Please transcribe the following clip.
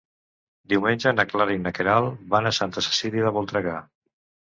Diumenge na Clara i na Queralt van a Santa Cecília de Voltregà.